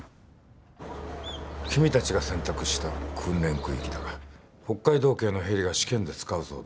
君たちが選択した訓練空域だが北海道警のヘリが試験で使うそうだ。